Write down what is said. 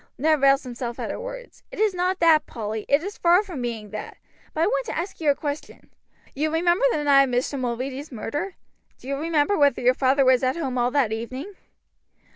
Ned roused himself at her words. "It is not that, Polly. It is far from being that. But I want to ask you a question. You remember the night of Mr. Mulready's murder? Do you remember whether your father was at home all that evening?"